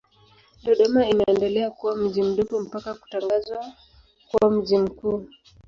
Dodoma imeendelea kuwa mji mdogo mpaka kutangazwa kuwa mji mkuu.